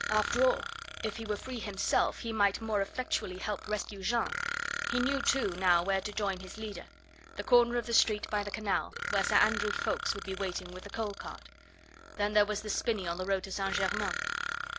After all, if he were free himself he might more effectually help to rescue Jeanne. He knew, too, now where to join his leader. The corner of the street by the canal, where Sir Andrew Ffoulkes would be waiting with the coal cart; then there was the spinney on the road to St. Germain.